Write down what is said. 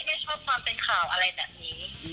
ไม่ชอบความเป็นข่าวอะไรแบบนี้